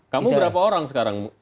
kamu berapa orang sekarang